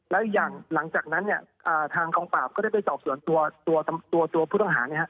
แล้วยังหลังจากนั้นทางกองปราบก็ได้ไปจอบส่วนตัวผู้ทหาร